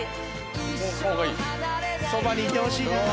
いい！